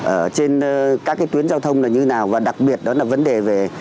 ở trên các cái tuyến giao thông là như thế nào và đặc biệt đó là vấn đề về